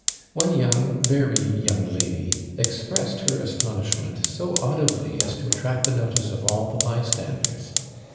One young, very young lady expressed her astonishment so audibly as to attract the notice of all the bystanders.